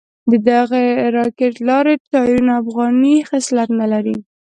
ددغې راکېټ لارۍ ټایرونه افغاني خصلت نه لري.